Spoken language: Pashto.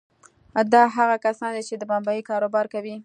دا هغه کسان دي چې د بيمې کاروبار کوي.